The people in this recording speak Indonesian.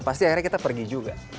pasti akhirnya kita pergi juga